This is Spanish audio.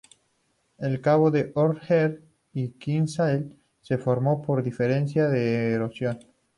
El Cabo de Old Head of Kinsale se formó por diferencia de erosión.